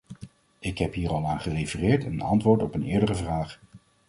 Ik heb hier al aan gerefereerd in antwoord op een eerdere vraag.